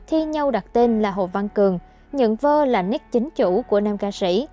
thi nhau đặt tên là hồ văn cường nhận vơ là nét chính chủ của nam ca sĩ